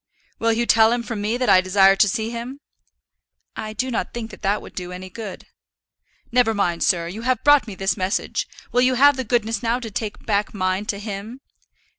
"Will you tell him from me that I desire to see him?" "I do not think that that would do any good." "Never mind, sir; you have brought me his message; will you have the goodness now to take back mine to him?"